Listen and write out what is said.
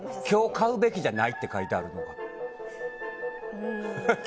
今日買うべきじゃないって書いてあるとか。